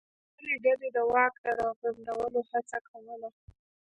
هرې ډلې د واک د راغونډولو هڅه کوله.